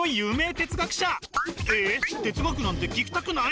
哲学なんて聞きたくない？